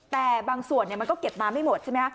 แต่บางส่วนมันก็เก็บมาไม่หมดใช่ไหมฮะ